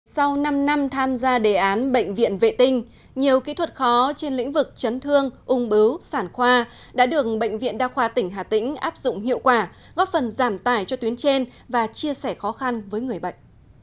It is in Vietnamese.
sau năm năm tham gia đề án bệnh viện vệ tinh nhiều kỹ thuật khó trên lĩnh vực chấn thương ung bứu sản khoa đã được bệnh viện đa khoa tỉnh hà tĩnh áp dụng hiệu quả góp phần giảm tài cho tuyến trên và chia sẻ khó khăn với người bệnh